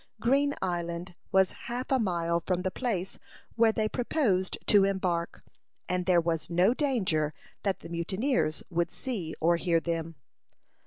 Green Island was half a mile from the place where they proposed to embark, and there was no danger that the mutineers would see or hear them.